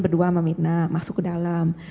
berdua sama myrna masuk ke dalam